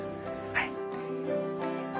はい。